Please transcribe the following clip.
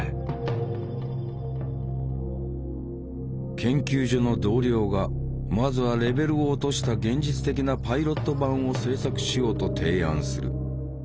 研究所の同僚がまずはレベルを落とした現実的なパイロット版を製作しようと提案する。